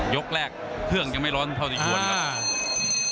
ยกแรกเครื่องยังไม่ร้อนเท่าที่ควรครับ